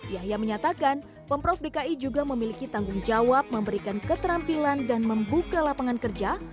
yahya menyatakan pemprov dki juga memiliki tanggung jawab memberikan keterampilan dan membuka lapangan kerja